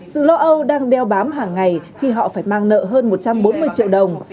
dù lo âu đang đeo bám hàng ngày khi họ phải mang nợ hơn một trăm bốn mươi triệu đồng